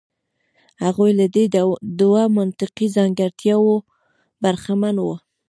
هغوی له دې دوو منطقي ځانګړتیاوو برخمن وو.